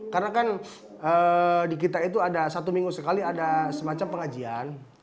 karena kan di kita itu ada satu minggu sekali ada semacam pengajian